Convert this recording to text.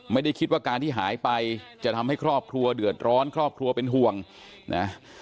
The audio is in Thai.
ไม่ได้คิดว่าการที่หายไปจะทำให้ครอบครัวเดือดร้อนครอบครัวเป็นห่วงนะ